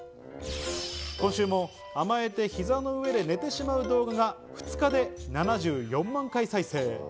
今週も甘えて膝の上で寝てしまう動画が２日で７４万回再生。